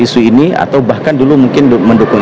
isu ini atau bahkan dulu mungkin mendukung